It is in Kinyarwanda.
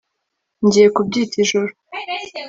Ngiye kubyita ijoro